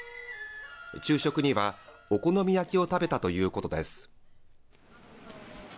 昼食にはお好み焼きを食べたということです。